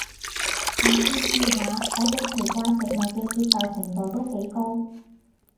下次試下，我對奇怪食物嘅接受程度都幾高